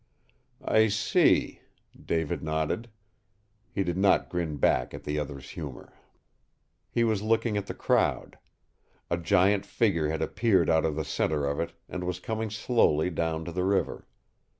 "I see," David nodded. He did not grin back at the other's humor. He was looking at the crowd. A giant figure had appeared out of the center of it and was coming slowly down to the river.